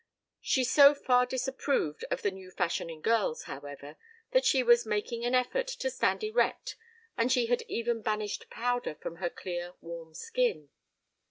She so far disapproved of the new fashion in girls, however, that she was making an effort to stand erect and she had even banished powder from her clear warm skin.